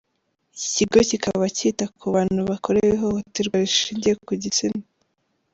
Iki kigo kikaba cyita ku bantu bakorewe ihohoterwa rishingiye ku gitsina.